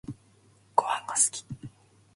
ごはんが好き